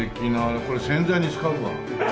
これ宣材に使うわ。